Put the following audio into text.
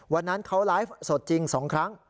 วันนั้นเขารายลาฟสดจริงสองครั้ง